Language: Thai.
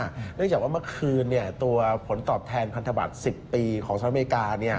เนื่องจากว่าเมื่อคืนตัวผลตอบแทนพันธบัตร๑๐ปีของสหรัฐอเมริกา